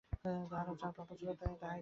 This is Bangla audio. তাহার যাহা প্রাপ্য ছিল, তুমি তাহাই দিয়াছিলে।